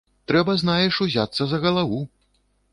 Трэба, знаеш, узяцца за галаву!